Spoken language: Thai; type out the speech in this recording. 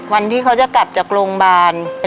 วันที่เขาจะกลับจากโรงพยาบาล